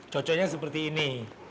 cocoknya seperti ini